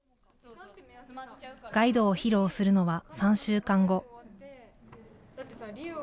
ガイドを披露するのは３週間後。